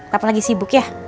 kapan lagi sibuk ya